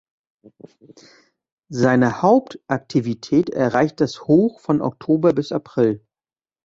Seine Hauptaktivität erreicht das Hoch von Oktober bis April.